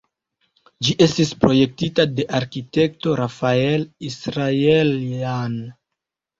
Ĝi estis projektita de arkitekto Rafael Israeljan.